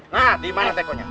nah dimana taikonya